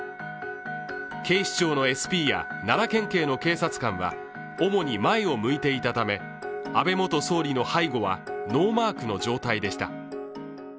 警視庁のＳＰや奈良県警の警察官は主に前を向いていたため安倍元総理の背後は、ノーマークの状態でした。